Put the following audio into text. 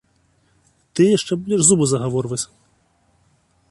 Ты яшчэ будзеш зубы загаворваць!